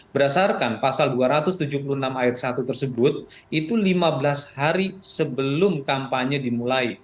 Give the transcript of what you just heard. berdasarkan pasal dua ratus tujuh puluh enam ayat satu tersebut itu lima belas hari sebelum kampanye dimulai